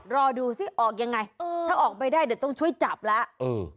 รอดูสิออกยังไงเออถ้าออกไปได้เดี๋ยวต้องช่วยจับแล้วเออ